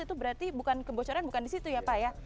itu berarti bukan kebocoran bukan di situ ya pak ya